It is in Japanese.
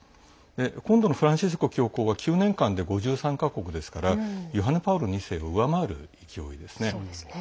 今度のフランシスコ教皇は９年間で５３か国ですからヨハネ・パウロ２世を上回る勢いですね。